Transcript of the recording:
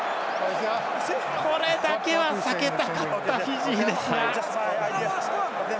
これだけは避けたかったフィジーですが。